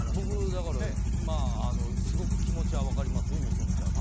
僕、だからすごく気持ちは分かりますよ